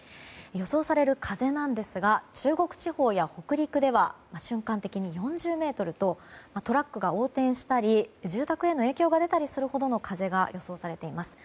予想される風なんですが中国地方や北陸では瞬間的に４０メートルとトラックが横転したり住宅への影響が出たりするほどの風が予想されています。